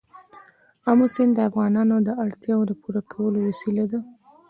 آمو سیند د افغانانو د اړتیاوو د پوره کولو وسیله ده.